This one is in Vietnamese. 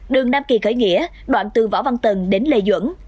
đường nam kỳ khởi nghĩa đoạn từ võ văn tần đến lê duẩn